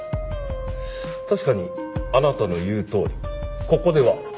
確かにあなたの言うとおりここではそれが道理です。